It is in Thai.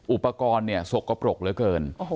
อุปกรณ์เนี่ยสกกระปรกเลยเกิน